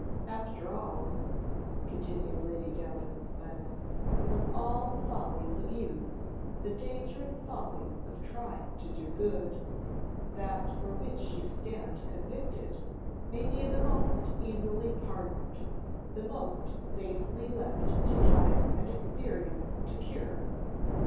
[Footnote: Lord Mahon.] "After all," continued Lady Davenant, smiling, "of all the follies of youth, the dangerous folly of trying to do good that for which you stand convicted, may be the most easily pardoned, the most safely left to time and experience to cure.